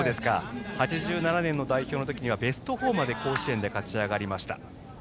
８７年の代表の時はベスト４まで甲子園で勝ち上がりました。